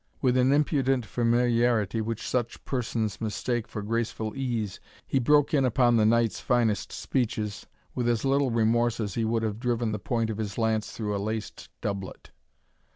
With an impudent familiarity which such persons mistake for graceful ease, he broke in upon the knight's finest speeches with as little remorse as he would have driven the point of his lance through a laced doublet.